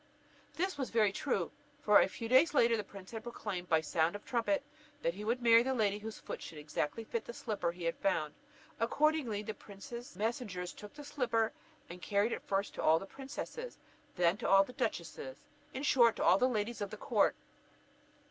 This was very true; for a few days after, the prince had it proclaimed, by sound of trumpet, that he would marry the lady whose foot should exactly fit the slipper he had found. Accordingly the prince's messengers took the slipper, and carried it first to all the princesses, then to the duchesses, in short, to all the ladies of the court.